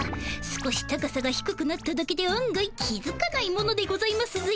少し高さがひくくなっただけで案外気づかないものでございますぜ。